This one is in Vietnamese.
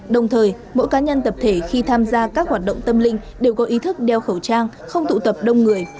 đồng thời mỗi cá nhân tập thể khi tham gia các hoạt động tâm linh đều có ý thức đeo khẩu trang không tụ tập đông người